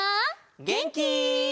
げんき？